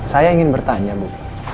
saya ingin bertanya bu